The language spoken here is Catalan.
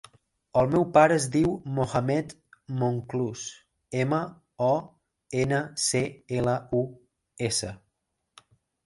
El meu pare es diu Mohammed Monclus: ema, o, ena, ce, ela, u, essa.